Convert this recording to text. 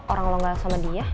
orang lo gak tau sama dia